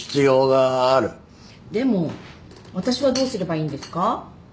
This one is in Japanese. でも私はどうすればいいんですか？